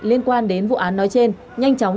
liên quan đến vụ án nói trên nhanh chóng